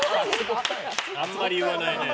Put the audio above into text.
あんまり言わないね。